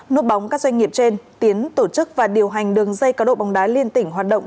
núp bóng các doanh nghiệp trên tiến tổ chức và điều hành đường dây cá độ bóng đá liên tỉnh hoạt động